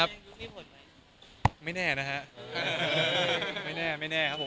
เอาเป็นว่าตอนนี้เราก็ทั้งคู่ก็มีงานผลงานคู่กันเรื่อย